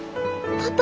パパ！